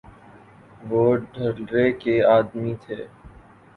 وہ دھڑلے کے آدمی تھے۔